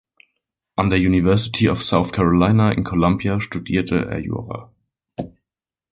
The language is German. An der University of South Carolina in Columbia studierte er Jura.